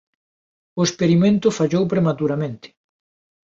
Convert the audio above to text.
O experimento fallou prematuramente.